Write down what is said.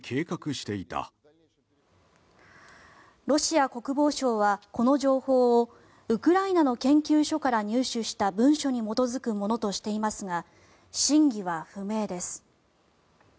ロシア国防省はこの情報をウクライナの研究所から入手した文書に基づくものとしていますが真偽は不明です。